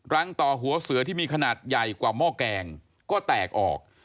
ต่อหัวเสือที่มีขนาดใหญ่กว่าหม้อแกงก็แตกออก